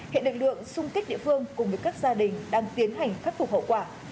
hiện lực lượng xung kích địa phương cùng với các gia đình đang tiến hành khắc phục hậu quả